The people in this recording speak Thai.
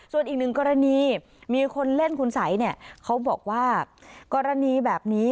ส่วนอีกหนึ่งกรณีมีคนเล่นคุณสัยเนี่ยเขาบอกว่ากรณีแบบนี้